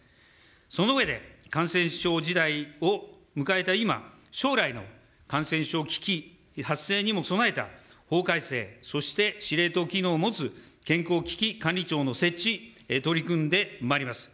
その上で感染症時代を迎えた今、将来の感染症危機発生にも備えた法改正、そして司令塔機能を持つ健康危機管理庁の設置、取り組んでまいります。